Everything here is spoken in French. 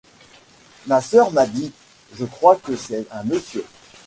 Ma sœur m’a dit : Je crois que c’est un monsieur.